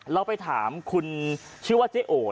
เราไปถามคุณชื่อว่าเจ๊โอ